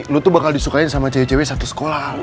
lu tuh bakal disukain sama cewek cewek satu sekolah